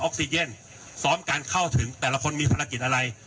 ซีเย็นซ้อมการเข้าถึงแต่ละคนมีภารกิจอะไร